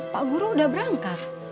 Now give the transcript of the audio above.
pak guru udah berangkat